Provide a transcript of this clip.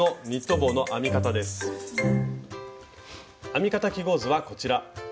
編み方記号図はこちら。